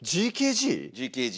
ＧＫＧ。